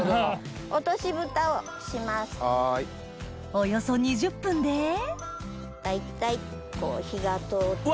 およそ２０分で大体火が通ったかな？